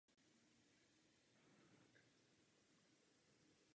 Kvůli komunistickému převratu už se nevrátil.